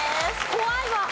怖いわ！